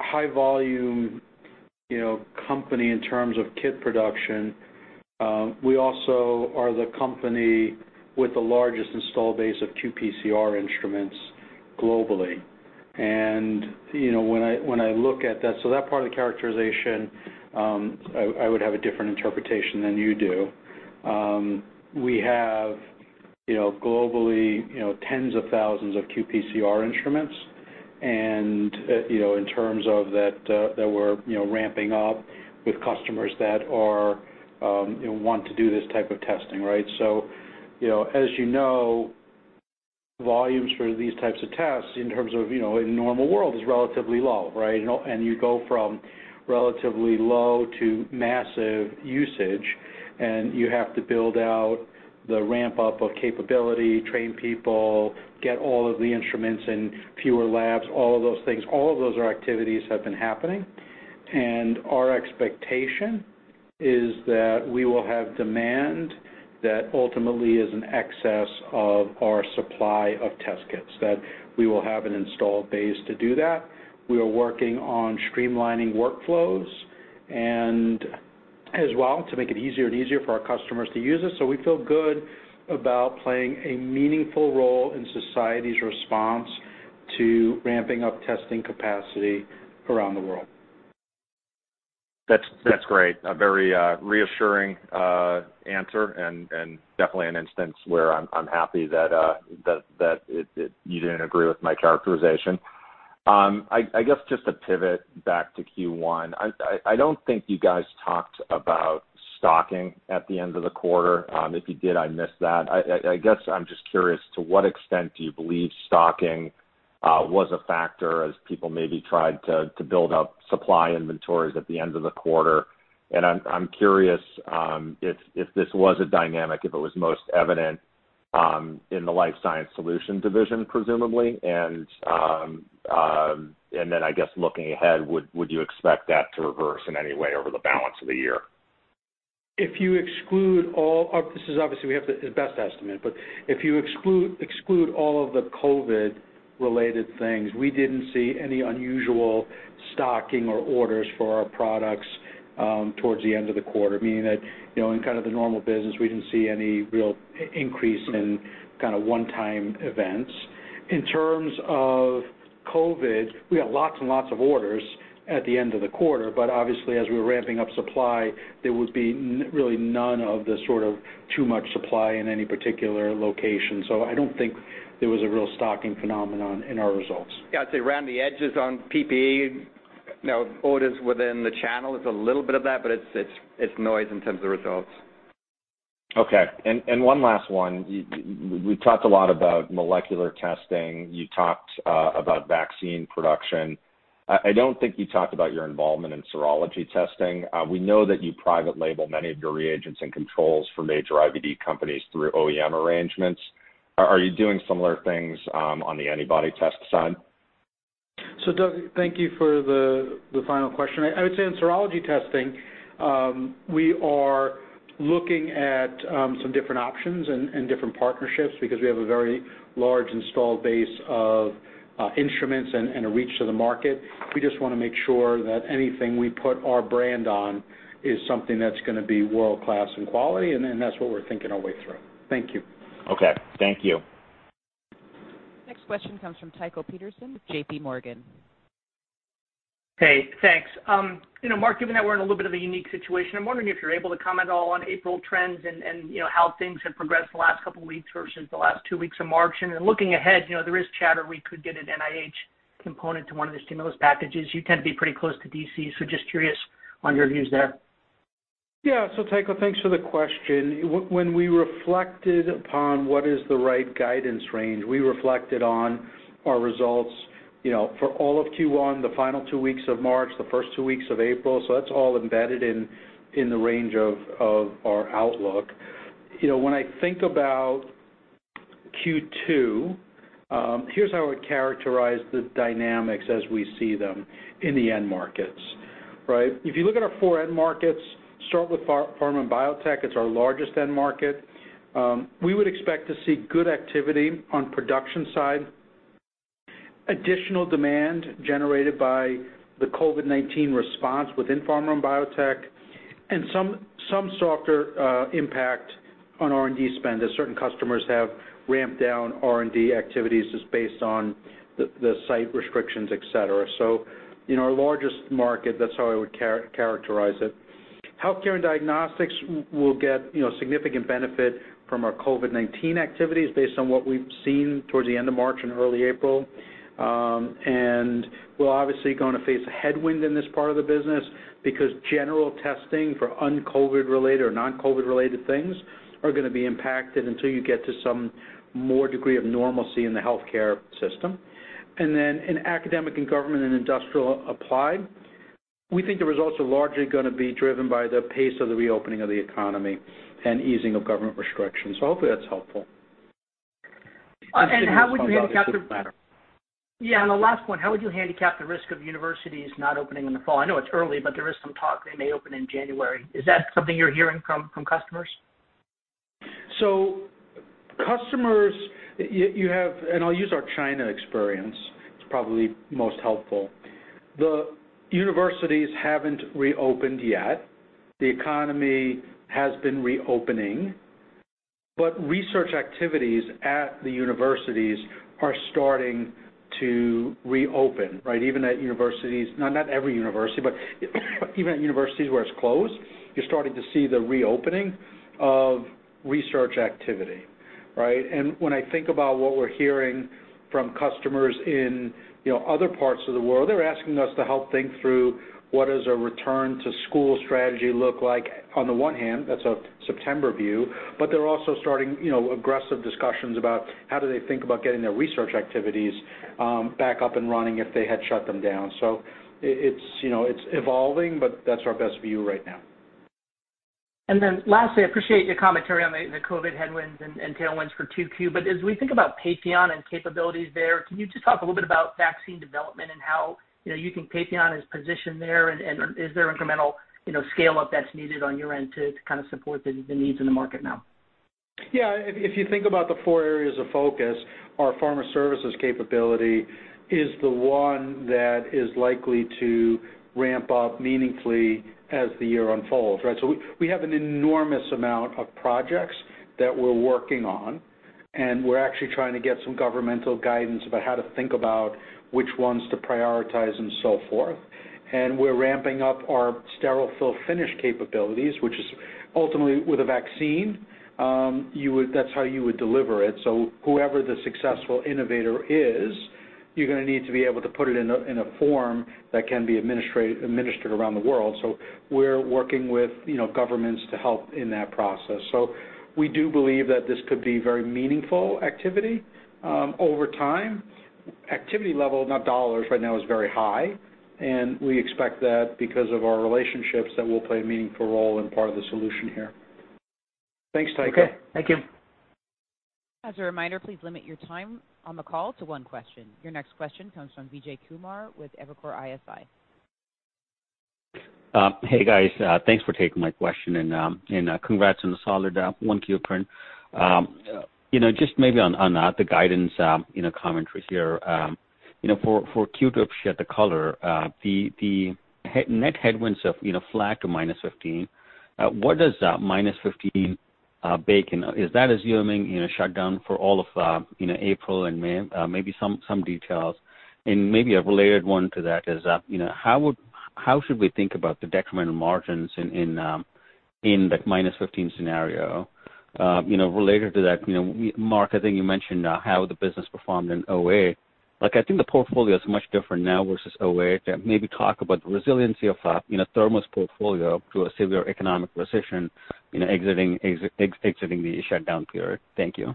high volume company in terms of kit production, we also are the company with the largest install base of qPCR instruments globally. When I look at that part of the characterization, I would have a different interpretation than you do. We have globally tens of thousands of qPCR instruments and in terms of that we're ramping up with customers that want to do this type of testing, right? As you know, volumes for these types of tests in terms of, in a normal world, is relatively low, right? You go from relatively low to massive usage, and you have to build out the ramp-up of capability, train people, get all of the instruments in fewer labs, all of those things. All of those activities have been happening, and our expectation is that we will have demand that ultimately is in excess of our supply of test kits, that we will have an installed base to do that. We are working on streamlining workflows and as well to make it easier and easier for our customers to use this. We feel good about playing a meaningful role in society's response to ramping up testing capacity around the world. That's great. A very reassuring answer, and definitely an instance where I'm happy that you didn't agree with my characterization. I guess, just to pivot back to Q1, I don't think you guys talked about stocking at the end of the quarter. If you did, I missed that. I guess I'm just curious to what extent do you believe stocking was a factor as people maybe tried to build up supply inventories at the end of the quarter? I'm curious, if this was a dynamic, if it was most evident in the Life Sciences Solutions division, presumably, and then, I guess looking ahead, would you expect that to reverse in any way over the balance of the year? This is obviously we have the best estimate, but if you exclude all of the COVID-19-related things, we didn't see any unusual stocking or orders for our products towards the end of the quarter. Meaning that, in kind of the normal business, we didn't see any real increase in one-time events. In terms of COVID-19, we had lots and lots of orders at the end of the quarter. Obviously as we were ramping up supply, there would be really none of the sort of too much supply in any particular location. I don't think there was a real stocking phenomenon in our results. Yeah, I'd say around the edges on PPE, orders within the channel, it's a little bit of that, but it's noise in terms of results. Okay, one last one. We've talked a lot about molecular testing. You talked about vaccine production. I don't think you talked about your involvement in serology testing. We know that you private label many of your reagents and controls for major IVD companies through OEM arrangements. Are you doing similar things on the antibody test side? Doug, thank you for the final question. I would say in serology testing, we are looking at some different options and different partnerships because we have a very large installed base of instruments and a reach to the market. We just want to make sure that anything we put our brand on is something that's going to be world-class in quality, and that's what we're thinking our way through. Thank you. Okay. Thank you. Next question comes from Tycho Peterson with JPMorgan. Hey, thanks. Marc, given that we're in a little bit of a unique situation, I'm wondering if you're able to comment at all on April trends and how things have progressed in the last couple of weeks versus the last two weeks of March. Looking ahead, there is chatter we could get an NIH component to one of the stimulus packages. You tend to be pretty close to D.C., so just curious on your views there. Tycho, thanks for the question. When we reflected upon what is the right guidance range, we reflected on our results for all of Q1, the final two weeks of March, the first two weeks of April. That's all embedded in the range of our outlook. When I think about Q2, here's how I characterize the dynamics as we see them in the end markets. If you look at our four end markets, start with pharma and biotech, it's our largest end market. We would expect to see good activity on production side, additional demand generated by the COVID-19 response within pharma and biotech, and some softer impact on R&D spend as certain customers have ramped down R&D activities just based on the site restrictions, et cetera. In our largest market, that's how I would characterize it. Healthcare and diagnostics will get significant benefit from our COVID-19 activities based on what we've seen towards the end of March and early April. We're obviously going to face a headwind in this part of the business because general testing for un-COVID related or non-COVID related things are going to be impacted until you get to some more degree of normalcy in the healthcare system. In academic and government and industrial applied, we think the results are largely going to be driven by the pace of the reopening of the economy and easing of government restrictions. Hopefully that's helpful. How would you handicap? This signal comes out, it shouldn't matter. Yeah, the last one, how would you handicap the risk of universities not opening in the fall? I know it's early, there is some talk they may open in January. Is that something you're hearing from customers? Customers, and I'll use our China experience, it's probably most helpful. The universities haven't reopened yet. The economy has been reopening, but research activities at the universities are starting to reopen. Not every university, but even at universities where it's closed, you're starting to see the reopening of research activity. When I think about what we're hearing from customers in other parts of the world, they're asking us to help think through what does a return to school strategy look like. On the one hand, that's a September view, but they're also starting aggressive discussions about how do they think about getting their research activities back up and running if they had shut them down. It's evolving, but that's our best view right now. Lastly, I appreciate your commentary on the COVID headwinds and tailwinds for 2Q, but as we think about Patheon and capabilities there, can you just talk a little bit about vaccine development and how you think Patheon is positioned there, and is there incremental scale-up that's needed on your end to support the needs in the market now? Yeah. If you think about the four areas of focus, our pharma services capability is the one that is likely to ramp up meaningfully as the year unfolds. We have an enormous amount of projects that we're working on, and we're actually trying to get some governmental guidance about how to think about which ones to prioritize and so forth. We're ramping up our sterile fill-finish capabilities, which is ultimately with a vaccine, that's how you would deliver it. Whoever the successful innovator is, you're going to need to be able to put it in a form that can be administered around the world. We're working with governments to help in that process. We do believe that this could be very meaningful activity over time. Activity level, not dollars, right now is very high, and we expect that because of our relationships, that we'll play a meaningful role in part of the solution here. Thanks, Tycho. Okay. Thank you. As a reminder, please limit your time on the call to one question. Your next question comes from Vijay Kumar with Evercore ISI. Hey, guys. Thanks for taking my question. Congrats on the solid 1Q print. Just maybe on the guidance commentaries here, for Q2, if you had the color, the net headwinds have flat to -15%. What does that -15% bake? Is that assuming shutdown for all of April and May? Maybe some details. Maybe a related one to that is, how should we think about the decrement in margins in that -15% scenario? Related to that, Marc, I think you mentioned how the business performed in 2008. I think the portfolio is much different now versus 2008. Maybe talk about the resiliency of Thermo's portfolio to a severe economic recession exiting the shutdown period. Thank you.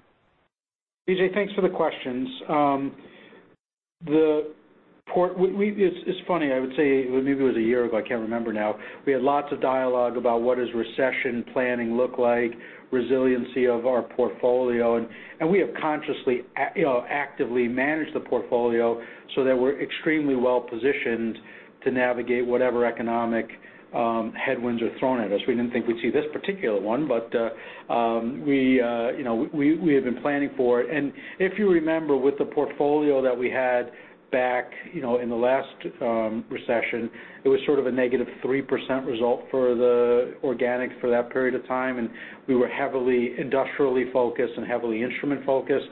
Vijay, thanks for the questions. It's funny, I would say, maybe it was a year ago, I can't remember now, we had lots of dialogue about what does recession planning look like, resiliency of our portfolio. We have consciously, actively managed the portfolio so that we're extremely well-positioned to navigate whatever economic headwinds are thrown at us. We didn't think we'd see this particular one. We have been planning for it. If you remember with the portfolio that we had back in the last recession, it was sort of a -3% result for the organic for that period of time, and we were heavily industrially focused and heavily instrument focused.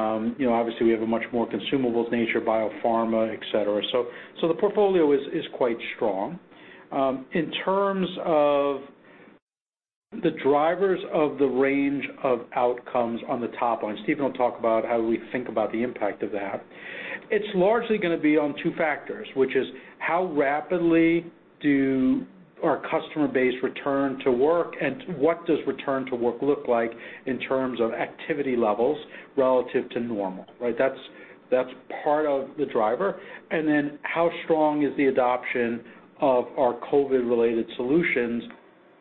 Obviously, we have a much more consumables nature, biopharma, et cetera. The portfolio is quite strong. The drivers of the range of outcomes on the top line, Stephen will talk about how we think about the impact of that. It's largely going to be on two factors, which is how rapidly do our customer base return to work, and what does return to work look like in terms of activity levels relative to normal, right? That's part of the driver. How strong is the adoption of our COVID-related solutions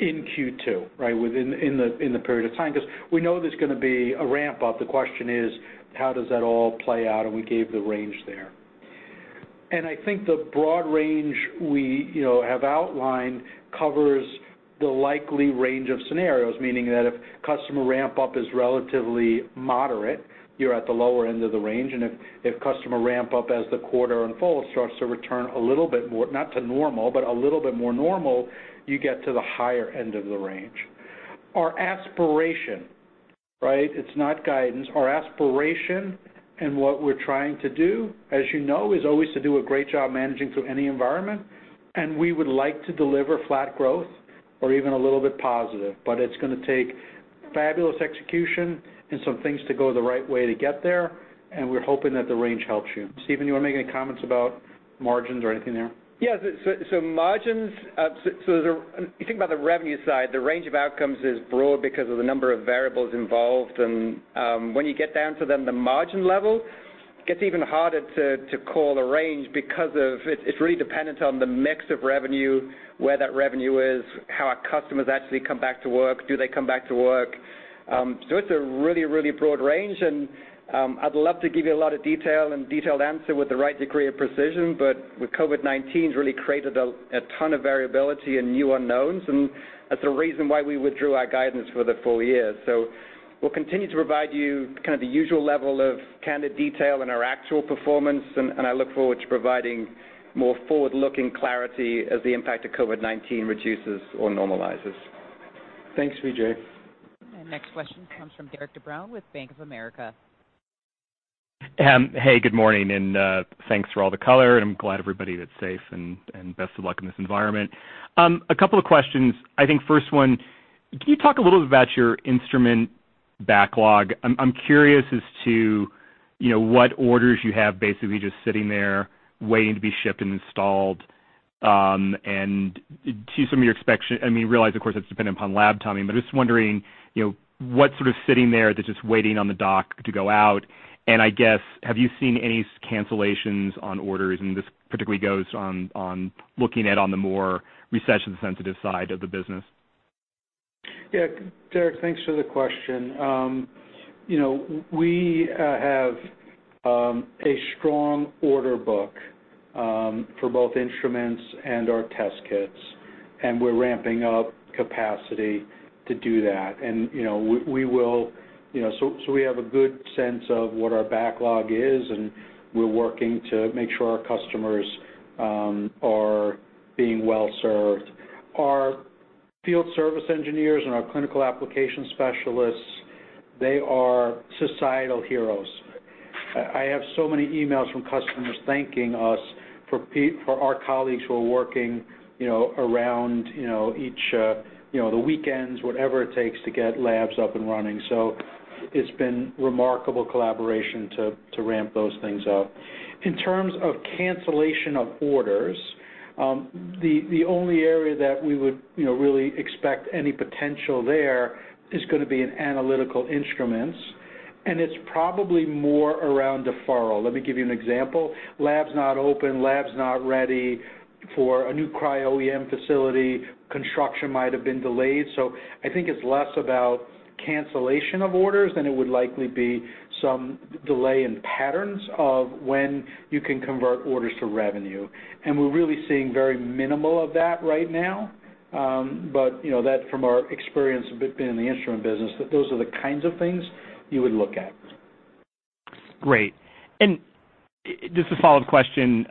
in Q2, right, within the period of time? Because we know there's going to be a ramp-up. The question is, how does that all play out? We gave the range there. I think the broad range we have outlined covers the likely range of scenarios, meaning that if customer ramp-up is relatively moderate, you're at the lower end of the range, and if customer ramp-up as the quarter unfolds starts to return a little bit more, not to normal, but a little bit more normal, you get to the higher end of the range. Our aspiration, right, it's not guidance. Our aspiration and what we're trying to do, as you know, is always to do a great job managing through any environment. We would like to deliver flat growth or even a little bit positive, but it's going to take fabulous execution and some things to go the right way to get there. We're hoping that the range helps you. Stephen, you want to make any comments about margins or anything there? Yeah. Margins, if you think about the revenue side, the range of outcomes is broad because of the number of variables involved, and when you get down to then the margin level, gets even harder to call a range because it's really dependent on the mix of revenue, where that revenue is, how our customers actually come back to work. Do they come back to work? It's a really broad range, and I'd love to give you a lot of detail and detailed answer with the right degree of precision, but with COVID-19's really created a ton of variability and new unknowns, and that's the reason why we withdrew our guidance for the full-year. We'll continue to provide you kind of the usual level of candid detail in our actual performance, and I look forward to providing more forward-looking clarity as the impact of COVID-19 reduces or normalizes. Thanks, Vijay. Next question comes from Derik De Bruin with Bank of America. Hey, good morning, and thanks for all the color, and I'm glad everybody is safe, and best of luck in this environment. A couple of questions. I think first one, can you talk a little bit about your instrument backlog? I'm curious as to what orders you have basically just sitting there waiting to be shipped and installed, and to some of your expectation. I mean, realize, of course, it's dependent upon lab timing, but just wondering what's sort of sitting there that's just waiting on the dock to go out, and I guess, have you seen any cancellations on orders? This particularly goes on looking at on the more recession-sensitive side of the business. Yeah. Derik, thanks for the question. We have a strong order book for both instruments and our test kits. We're ramping up capacity to do that. We have a good sense of what our backlog is, and we're working to make sure our customers are being well-served. Our field service engineers and our clinical application specialists, they are societal heroes. I have so many emails from customers thanking us for our colleagues who are working around the weekends, whatever it takes to get labs up and running. It's been remarkable collaboration to ramp those things up. In terms of cancellation of orders, the only area that we would really expect any potential there is going to be in Analytical Instruments, and it's probably more around deferral. Let me give you an example. Lab's not open, lab's not ready for a new cryo-EM facility, construction might have been delayed. I think it's less about cancellation of orders than it would likely be some delay in patterns of when you can convert orders to revenue. We're really seeing very minimal of that right now. That, from our experience in the instrument business, that those are the kinds of things you would look at. Great. Just a follow-up question.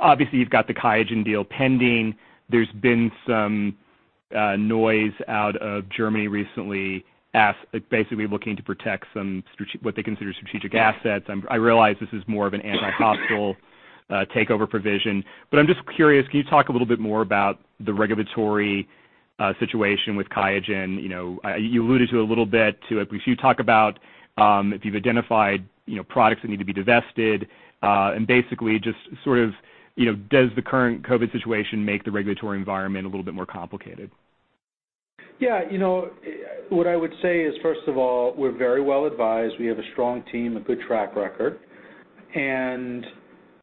Obviously, you've got the QIAGEN deal pending. There's been some noise out of Germany recently, basically looking to protect what they consider strategic assets. I realize this is more of an anti-hostile takeover provision, but I'm just curious, can you talk a little bit more about the regulatory situation with QIAGEN? You alluded to a little bit, too, if you've identified products that need to be divested and basically just sort of does the current COVID situation make the regulatory environment a little bit more complicated? What I would say is, first of all, we're very well advised. We have a strong team, a good track record.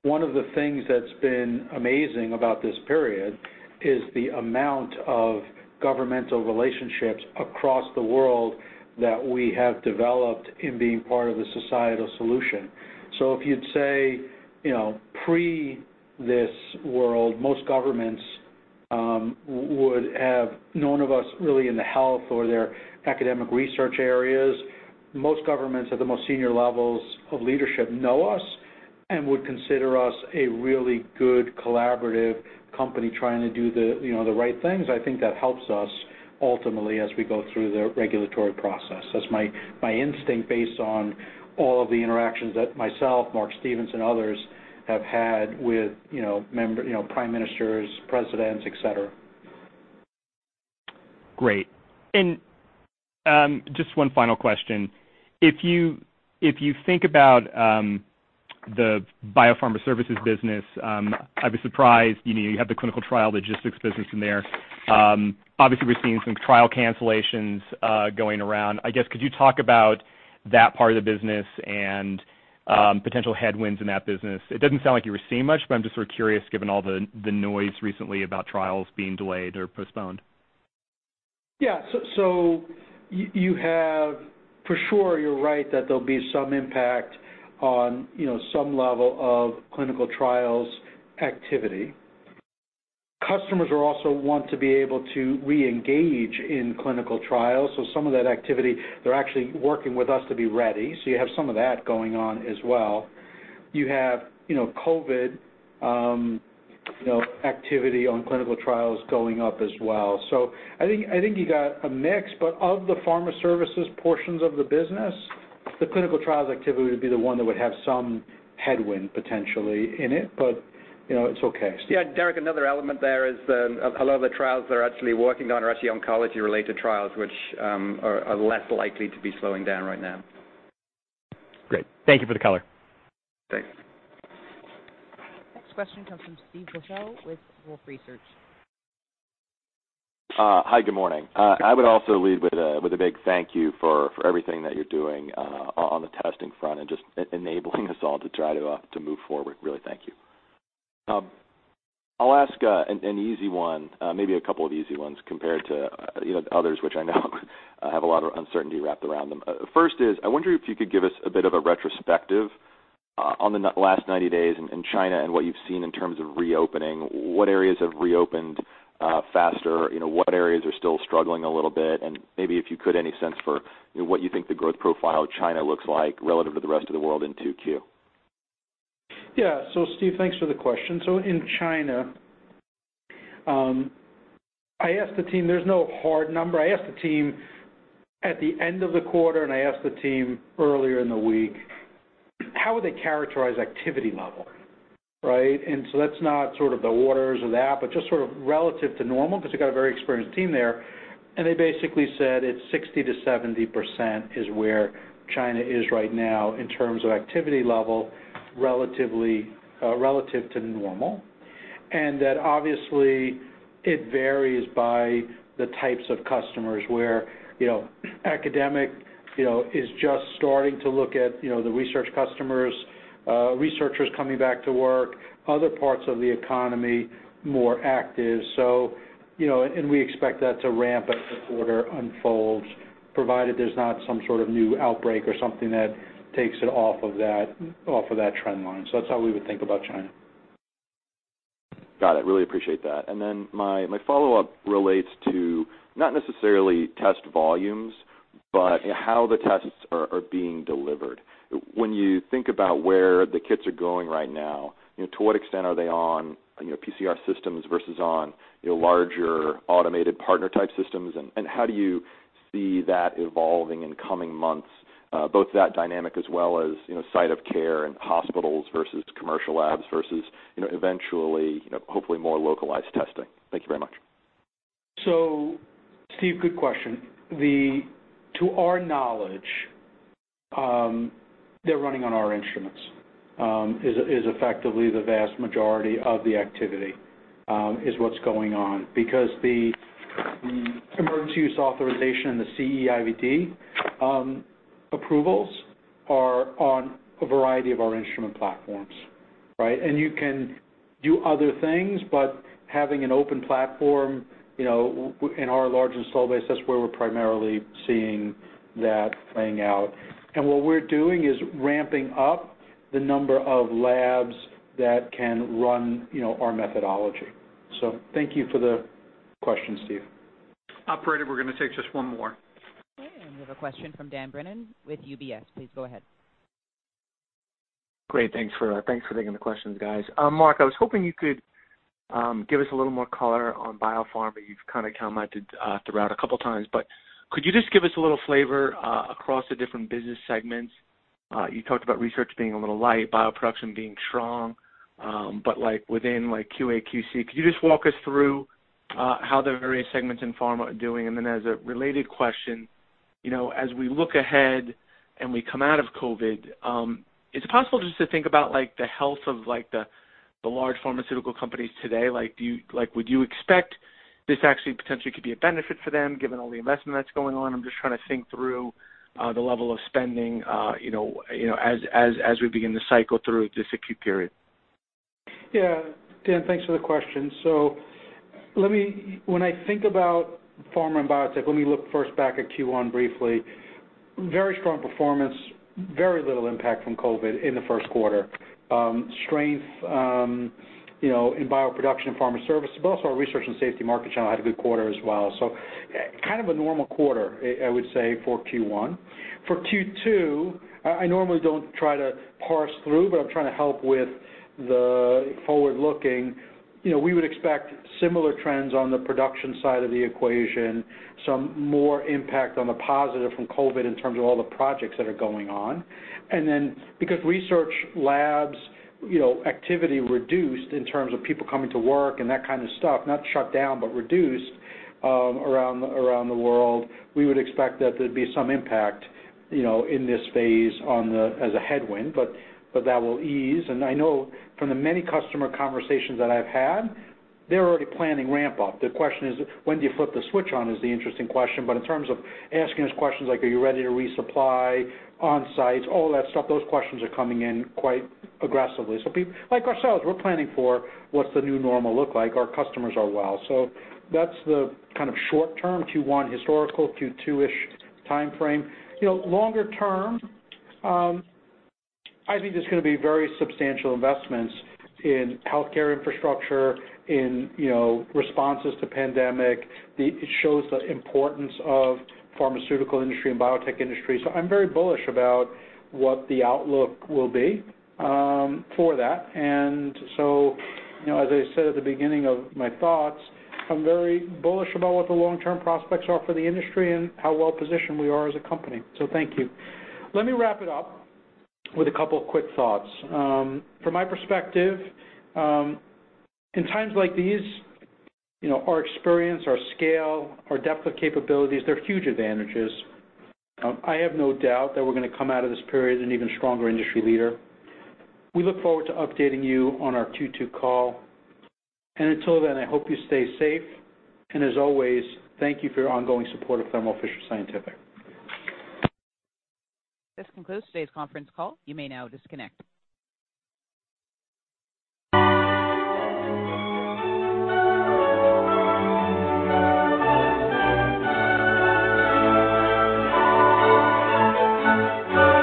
One of the things that's been amazing about this period is the amount of governmental relationships across the world that we have developed in being part of the societal solution. If you'd say, pre-this world, most governments would have known of us really in the health or their academic research areas. Most governments at the most senior levels of leadership know us and would consider us a really good collaborative company trying to do the right things. I think that helps us ultimately as we go through the regulatory process. That's my instinct based on all of the interactions that myself, Mark, Stephen, and others have had with prime ministers, presidents, et cetera. Great. Just one final question. If you think about the biopharma services business, I'd be surprised, you have the clinical trial logistics business in there. We're seeing some trial cancellations going around. I guess, could you talk about that part of the business and potential headwinds in that business? It doesn't sound like you were seeing much, but I'm just sort of curious, given all the noise recently about trials being delayed or postponed. For sure, you're right that there'll be some impact on some level of clinical trials activity. Customers also want to be able to reengage in clinical trials, so some of that activity, they're actually working with us to be ready, so you have some of that going on as well. You have COVID activity on clinical trials going up as well. I think you got a mix, but of the pharma services portions of the business, the clinical trials activity would be the one that would have some headwind, potentially, in it. It's okay. Yeah, Derik, another element there is a lot of the trials they're actually working on are actually oncology-related trials, which are less likely to be slowing down right now. Great. Thank you for the color. Thanks. Next question comes from Steve Beuchaw with Wolfe Research. Hi, good morning. I would also lead with a big thank you for everything that you're doing on the testing front and just enabling us all to try to move forward. Really, thank you. I'll ask an easy one, maybe a couple of easy ones compared to others, which I know have a lot of uncertainty wrapped around them. First is, I wonder if you could give us a bit of a retrospective on the last 90 days in China and what you've seen in terms of reopening. What areas have reopened faster, what areas are still struggling a little bit, and maybe if you could, any sense for what you think the growth profile of China looks like relative to the rest of the world in 2Q? Yeah. Steve, thanks for the question. In China, there's no hard number. I asked the team at the end of the quarter, and I asked the team earlier in the week, how would they characterize activity level, right? That's not sort of the orders or that, but just sort of relative to normal, because they've got a very experienced team there, and they basically said it's 60%-70% is where China is right now in terms of activity level, relative to normal. That obviously, it varies by the types of customers, where academic is just starting to look at the research customers, researchers coming back to work, other parts of the economy, more active. We expect that to ramp as the quarter unfolds, provided there's not some sort of new outbreak or something that takes it off of that trend line. That's how we would think about China. Got it. Really appreciate that. My follow-up relates to, not necessarily test volumes, but how the tests are being delivered. When you think about where the kits are going right now, to what extent are they on PCR systems versus on larger automated partner-type systems, and how do you see that evolving in coming months, both that dynamic as well as site of care and hospitals versus commercial labs versus, eventually, hopefully more localized testing. Thank you very much. Steve, good question. To our knowledge, they're running on our instruments, is effectively the vast majority of the activity is what's going on. The Emergency Use Authorization and the CE-IVD approvals are on a variety of our instrument platforms, right? You can do other things, but having an open platform in our large install base, that's where we're primarily seeing that playing out. What we're doing is ramping up the number of labs that can run our methodology. Thank you for the question, Steve. Operator, we're going to take just one more. Okay, we have a question from Dan Brennan with UBS. Please go ahead. Great, thanks for taking the questions, guys. Marc, I was hoping you could give us a little more color on biopharma. You've kind of commented throughout a couple of times, could you just give us a little flavor across the different business segments? You talked about research being a little light, bioproduction being strong. Within QA/QC, could you just walk us through how the various segments in pharma are doing? As a related question, as we look ahead and we come out of COVID, is it possible just to think about the health of the large pharmaceutical companies today? Would you expect this actually potentially could be a benefit for them, given all the investment that's going on? I'm just trying to think through the level of spending as we begin to cycle through this acute period. Yeah. Dan, thanks for the question. When I think about pharma and biotech, let me look first back at Q1 briefly. Very strong performance, very little impact from COVID in the first quarter. Strength in bioproduction and pharma service, but also our research and safety market channel had a good quarter as well. Kind of a normal quarter, I would say, for Q1. For Q2, I normally don't try to parse through, but I'm trying to help with the forward-looking. We would expect similar trends on the production side of the equation, some more impact on the positive from COVID in terms of all the projects that are going on. Then because research labs activity reduced in terms of people coming to work and that kind of stuff, not shut down, but reduced around the world, we would expect that there'd be some impact in this phase as a headwind. That will ease. I know from the many customer conversations that I've had, they're already planning ramp up. The question is, when do you flip the switch on, is the interesting question. In terms of asking us questions like, "Are you ready to resupply on site?" All that stuff, those questions are coming in quite aggressively. Like ourselves, we're planning for what's the new normal look like. Our customers are well. That's the kind of short-term Q1 historical, Q2-ish timeframe. Longer-term, I think there's going to be very substantial investments in healthcare infrastructure, in responses to pandemic. It shows the importance of pharmaceutical industry and biotech industry. I'm very bullish about what the outlook will be for that. As I said at the beginning of my thoughts, I'm very bullish about what the long-term prospects are for the industry and how well-positioned we are as a company. Thank you. Let me wrap it up with a couple of quick thoughts. From my perspective, in times like these, our experience, our scale, our depth of capabilities, they're huge advantages. I have no doubt that we're going to come out of this period an even stronger industry leader. We look forward to updating you on our Q2 call. Until then, I hope you stay safe. As always, thank you for your ongoing support of Thermo Fisher Scientific. This concludes today's conference call. You may now disconnect.